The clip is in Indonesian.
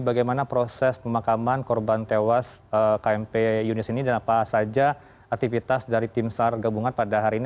bagaimana proses pemakaman korban tewas kmp yunis ini dan apa saja aktivitas dari tim sar gabungan pada hari ini